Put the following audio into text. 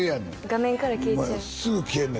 画面から消えちゃうすぐ消えんね